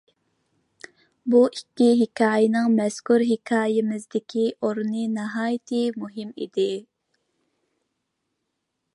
بۇ ئىككى نەرسىنىڭ مەزكۇر ھېكايىمىزدىكى ئورنى ناھايىتى مۇھىم ئىدى.